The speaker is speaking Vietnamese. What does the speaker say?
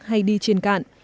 hay đi trên cạn